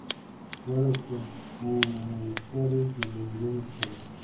Fue uno de los precursores de los videos musicales.